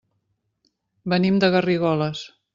Venim de Garrigoles.